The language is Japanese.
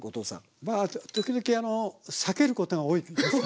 まあ時々あのさけることが多いですね。